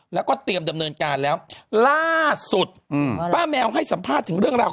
แล้วก็เตรียมดำเนินการแล้วล่าสุดอืมป้าแมวให้สัมภาษณ์ถึงเรื่องราว